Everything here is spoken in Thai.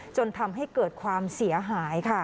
จนทำให้เกิดความเสียหายค่ะ